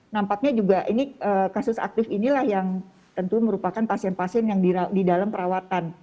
nampaknya juga ini kasus aktif inilah yang tentu merupakan pasien pasien yang di dalam perawatan